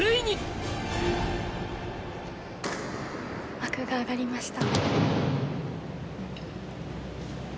幕が上がりました。